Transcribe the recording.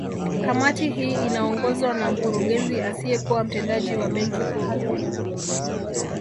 Kamati hii inaongozwa na Mkurugenzi asiyekuwa Mtendaji wa Benki Kuu